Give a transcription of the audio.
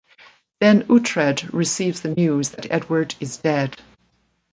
Then Uhtred receives the news that Edward is dead.